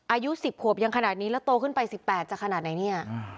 อายุ๑๐ขวบยังขนาดนี้แล้วโตขึ้นไป๑๘จะขนาดไหนเนี่ย